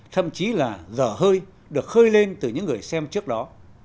thậm chí là giờ hơi được khơi lên từ những người xem trước đó